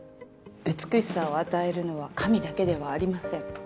美しさを与えるのは神だけではありません。